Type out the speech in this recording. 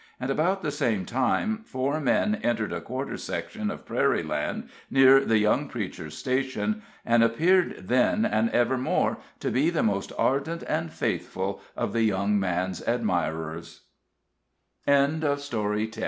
And about the same time four men entered a quarter section of prairie land near the young preacher's station, and appeared then and evermore to be the most ardent and faithful of the young man's admirers. A STORY OF TEN MILE GULCH.